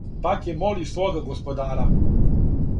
Паке моли свога господара: